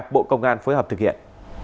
bộ công an phối hợp thực hiện